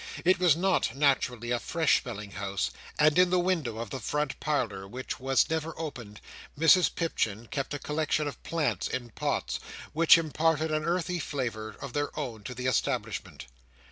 It was not, naturally, a fresh smelling house; and in the window of the front parlour, which was never opened, Mrs Pipchin kept a collection of plants in pots, which imparted an earthy flavour of their own to the establishment.